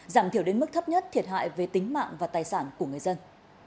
giảm thiểu đến mức thấp nhất thiệt hại về tính mạng và tài sản của người dân